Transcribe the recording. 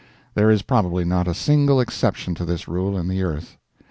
There is probably not a single exception to this rule in the earth.